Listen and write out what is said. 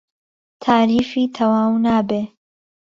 تاریفی تهواو نابێ